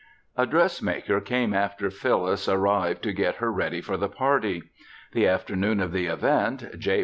A dressmaker came after Phyllis arrived to get her ready for the party. The afternoon of the event, J.